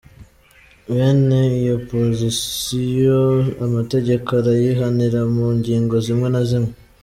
Bene iyo opposition amategeko arayihanira mu ngingo zimwe na zimwe.